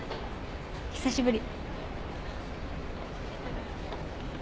久しぶり。